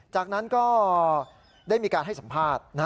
จากนั้นก็ได้มีการให้สัมภาษณ์